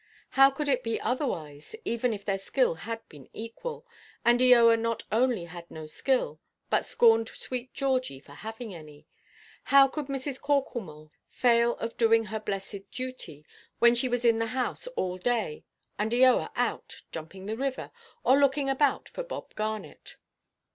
How could it be otherwise, even if their skill had been equal—and Eoa not only had no skill, but scorned sweet Georgie for having any—how could Mrs. Corklemore fail of doing her blessed duty, when she was in the house all day, and Eoa out, jumping the river, or looking about for Bob Garnet?